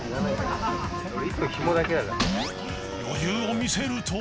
［余裕を見せると］